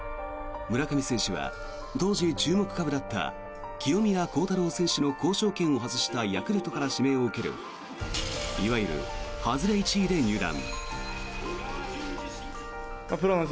村上選手は当時、注目株だった清宮幸太郎選手の交渉権を外したヤクルトから指名を受けるいわゆる外れ１位で入団。